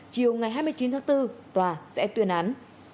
chiều ngày hai mươi chín tháng bốn tòa sẽ tuyên án